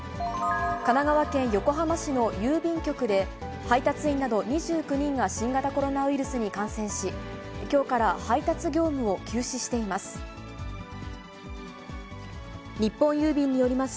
神奈川県横浜市の郵便局で、配達員など、２９人が新型コロナウイルスに感染し、きょうから配達業務を休止しています。